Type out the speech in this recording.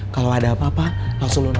kalau ada apa apa langsung lunak